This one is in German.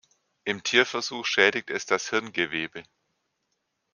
Im Tierversuch schädigt es das Hirngewebe.